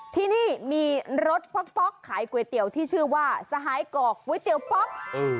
ที่นี่มีรถป๊อกขายก๋วยเตี๋ยวที่ชื่อว่าสหายกอกก๋วยเตี๋ยวป๊อก